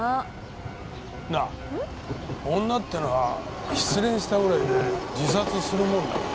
なあ女ってのは失恋したぐらいで自殺するもんなのか？